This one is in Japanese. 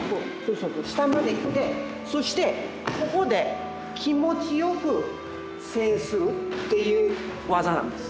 下までいってそしてここで気持ちよく制するっていう技なんです。